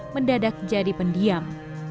mendadak jadi pendiam